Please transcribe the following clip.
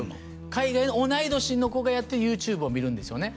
海外の同い年の子がやってるＹｏｕＴｕｂｅを見るんですよね